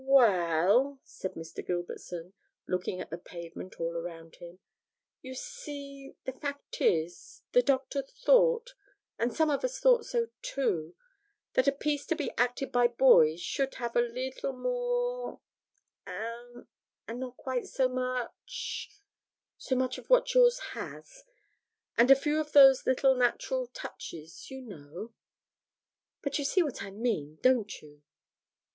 'Well,' said Mr. Gilbertson, looking at the pavement all round him, 'you see, the fact is, the Doctor thought, and some of us thought so too, that a piece to be acted by boys should have a leetle more eh? and not quite so much so much of what yours has, and a few of those little natural touches, you know but you see what I mean, don't you?'